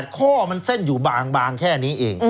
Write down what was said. ข้อมันเส้นอยู่บางแค่นี้เอง